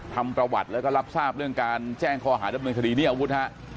ทำประวัติแล้วก็รับทราบเรื่องการแจ้งข้อหาดำเนินคดีนี่อาวุธฮะ